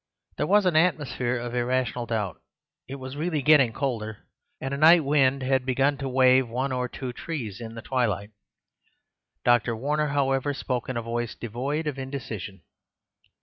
There was an atmosphere of irrational doubt; it was really getting colder, and a night wind had begun to wave the one or two trees in the twilight. Dr. Warner, however, spoke in a voice devoid of indecision.